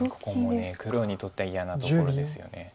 ここも黒にとっては嫌なところですよね。